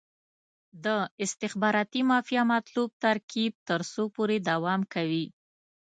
د استخباراتي مافیا مطلوب ترکیب تر څو پورې دوام کوي.